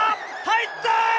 入った！